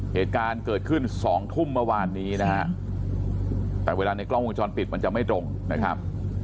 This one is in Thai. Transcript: เหตุการณ์เกิดขึ้นสองทุ่มเมื่อวานนี้นะฮะแต่เวลาในกล้องวงจรปิดมันจะไม่ตรงนะครับ